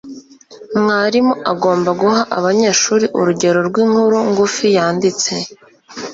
mwarimu agomba guha abanyeshuri urugero rw'inkuru ngufi yanditse